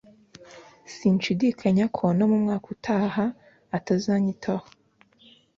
sinshidikanya ko no mu mwaka utaha atazanyitaho